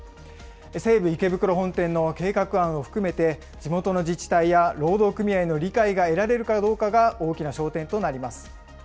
西武池袋本店の計画案を含めて、地元の自治体や労働組合の理解が得られるかどうかが大きな焦点となります。